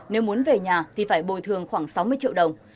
nếu muốn về nhà thì phải bồi thường khoảng sáu mươi triệu đồng